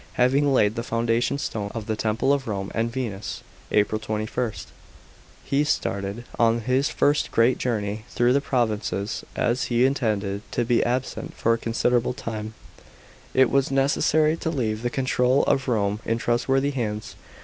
having laid the foundation stone of the Temple of Rome and Venus (April 21), he started on his first great journey through the provinces. As he intended to be absent for a considerable time, it was necessary to leave the control of Rome in trustworthy hands.